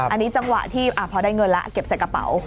อันนี้จังหวะที่พอได้เงินแล้วเก็บใส่กระเป๋า